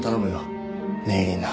念入りにな。